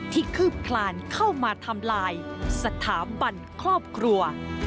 คืบคลานเข้ามาทำลายสถาบันครอบครัว